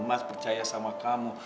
mas percaya sama kamu